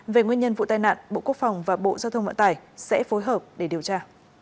về nguyên nhân vụ tai nạn bộ quốc phòng và bộ giao thông vận tải sẽ phối hợp để điều tra